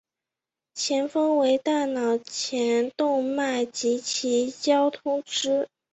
前方为大脑前动脉及其交通支。